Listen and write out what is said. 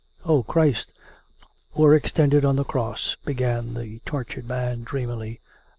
. O Christ, were extended on the Cross " began the tortured m^n dreamily.